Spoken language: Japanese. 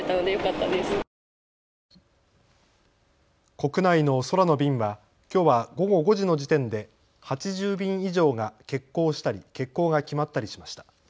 国内の空の便はきょうは午後５時の時点で８０便以上が欠航したり欠航が決まったりしました。